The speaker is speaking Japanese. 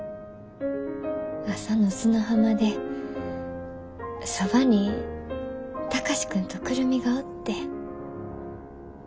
朝の砂浜でそばに貴司君と久留美がおって。